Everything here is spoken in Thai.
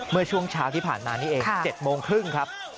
เมื่อช่วงเช้าที่ผ่านมานี่เอง๗โมงครึ่งครับ